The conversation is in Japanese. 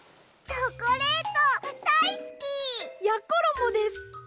チョコレートだいすき！やころもです。